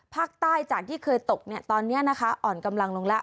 ภาคใต้จากที่เคยตกตอนนี้นะคะอ่อนกำลังลงแล้ว